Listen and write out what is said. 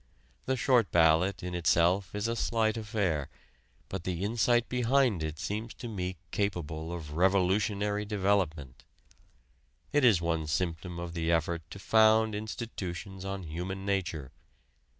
The "short ballot" in itself is a slight affair, but the insight behind it seems to me capable of revolutionary development. It is one symptom of the effort to found institutions on human nature.